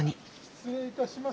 失礼いたします。